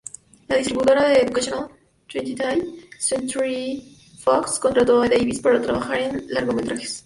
La distribuidora de Educational, Twentieth Century-Fox, contrató a Davis para trabajar en largometrajes.